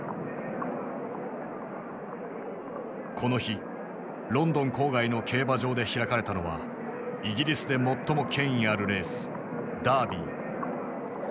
この日ロンドン郊外の競馬場で開かれたのはイギリスで最も権威あるレースダービー。